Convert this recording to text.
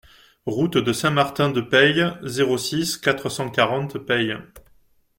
Route de Saint-Martin de Peille, zéro six, quatre cent quarante Peille